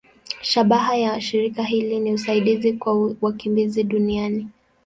Shabaha ya shirika hili ni usaidizi kwa wakimbizi duniani.